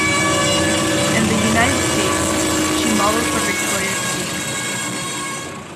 In the United States, she modeled for Victoria's Secret.